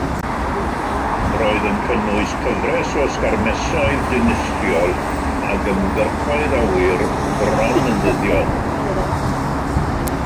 Roedd yn cynnwys cyfres o sgarmesoedd dinistriol ac ymgyrchoedd awyr bron yn ddyddiol.